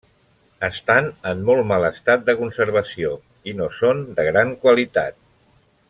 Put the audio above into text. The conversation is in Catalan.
Estan en molt mal estat de conservació i no són de gran qualitat.